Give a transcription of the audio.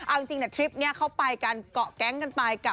เอาจริงนะทริปนี้เข้าไปกันเกาะแก๊งกันไปกับ